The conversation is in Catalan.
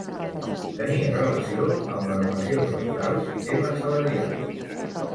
Tenia relació amb les relacions laborals i temes salarials.